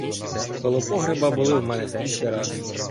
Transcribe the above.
Коло погреба були в мене скільки раз.